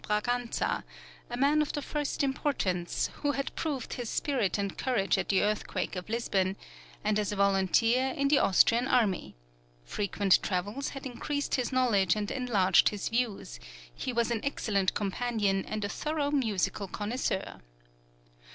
Braganza, a man of the first importance, who had proved his spirit and courage at the earthquake of Lisbon, and as a volunteer in the Austrian army; frequent travels had increased his knowledge and enlarged his views; he was an excellent companion and a thorough musical connoisseur.